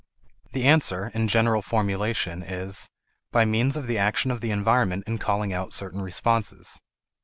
The answer, in general formulation, is: By means of the action of the environment in calling out certain responses.